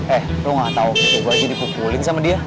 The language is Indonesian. eh lo gak tau gue aja dipukulin sama dia